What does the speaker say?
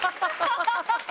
ハハハハ！